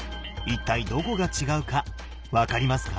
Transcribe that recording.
一体どこが違うか分かりますか？